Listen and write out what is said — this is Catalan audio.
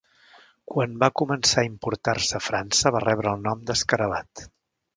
Quan va començar a importar-se a França va rebre el nom d'Escarabat.